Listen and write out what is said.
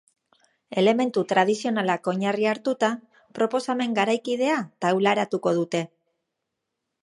Elementu tradizionalak oinarri hartuta, proposamen garaikidea taularatuko dute.